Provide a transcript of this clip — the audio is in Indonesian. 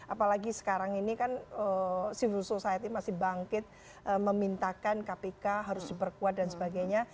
apalagi sekarang ini kan civil society masih bangkit memintakan kpk harus diperkuat dan sebagainya